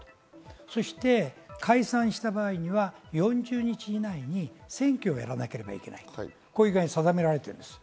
そして解散した場合には４０日以内に選挙をやらなければいけないと定められています。